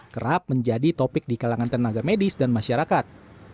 kerap menjadi topik di kalangan tenaga medis dan masyarakat